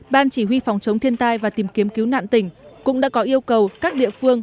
ban chỉ huy phòng chống thiên tai và tìm kiếm cứu nạn tỉnh cũng đã có yêu cầu các địa phương